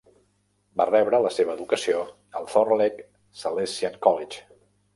Va rebre la seva educació al Thornleigh Salesian College.